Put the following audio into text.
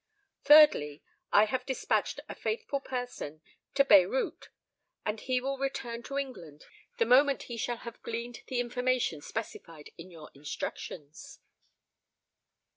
"Thirdly, I have despatched a faithful person to Beyrout; and he will return to England the moment he shall have gleaned the information specified in your instructions."